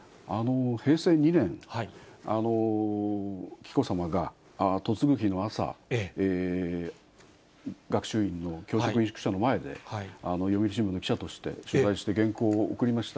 平成２年、紀子さまが嫁ぐ日の朝、学習院の教職員宿舎の前で、読売新聞の記者として取材して、原稿を送りました。